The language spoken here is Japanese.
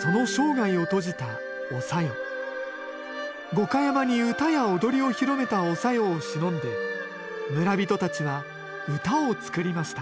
五箇山に唄や踊りを広めたお小夜をしのんで村人たちは唄を作りました。